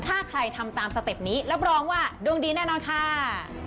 ถ้าใครทำตามสเต็ปนี้รับรองว่าดวงดีแน่นอนค่ะ